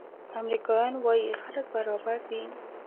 امریکایان وايي خلک برابر دي.